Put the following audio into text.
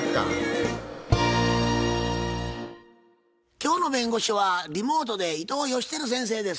今日の弁護士はリモートで伊藤芳晃先生です。